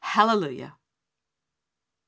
Halle lujah!